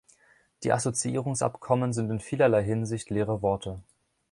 Die Assoziierungsabkommen sind in vielerlei Hinsicht leere Worte.